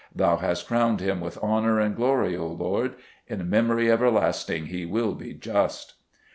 Thou hast crowned him with honour and glory, O Lord! In memory everlasting he will be just."